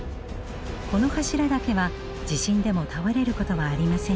この柱だけは地震でも倒れることはありませんでした。